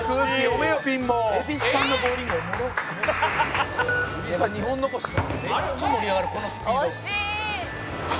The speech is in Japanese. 「めっちゃ盛り上がるこのスピード」